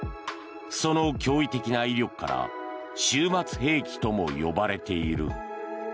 その脅威的な威力から終末兵器とも呼ばれている。